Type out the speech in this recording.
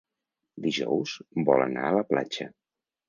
Dijous vol anar a la platja.